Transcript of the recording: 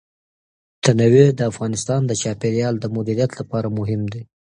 تنوع د افغانستان د چاپیریال د مدیریت لپاره مهم دي.